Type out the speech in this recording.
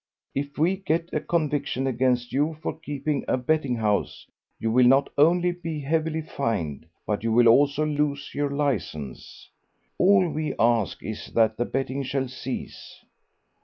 "If we get a conviction against you for keeping a betting house, you will not only be heavily fined, but you will also lose your licence. All we ask is that the betting shall cease.